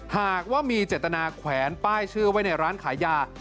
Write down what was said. หากว่ามีเจตนาแขวนป้ายชื่อไว้ในร้านขายยา